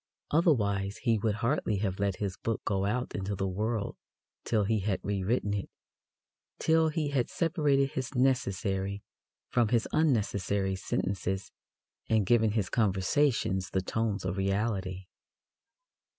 Otherwise he would hardly have let his book go out into the world till he had rewritten it till he had separated his necessary from his unnecessary sentences and given his conversations the tones of reality.